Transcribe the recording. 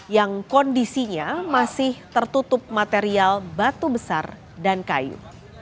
yang kondisinya masih tertutup material batu besar dan kayu